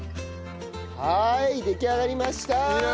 はい出来上がりました！